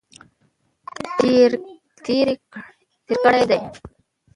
تیرې کړي دي.